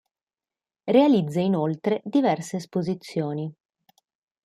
Realizza inoltre diverse esposizioni.